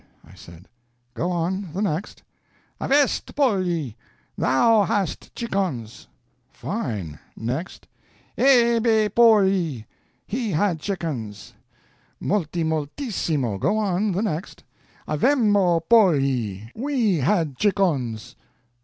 I said. "Go on, the next." "Avest polli, thou hadst chickens!" "Fine! Next!" "Ebbe polli, he had chickens!" "Moltimoltissimo! Go on, the next!" "Avemmo polli, we had chickens!"